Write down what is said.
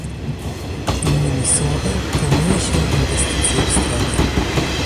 Innymi słowy promuje się inwestycje w zdrowie